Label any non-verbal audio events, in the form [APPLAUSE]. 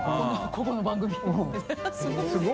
ここの番組 [LAUGHS]